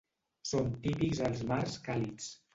Són típics als mars càlids.